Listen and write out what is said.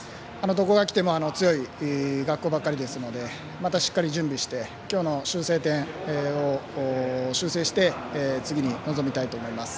どこが来ても強い学校ばかりですのでまたしっかり準備して今日の修正点を修正して次に臨みたいと思います。